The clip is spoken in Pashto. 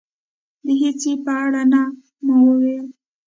د هېڅ شي په اړه نه. ما وویل.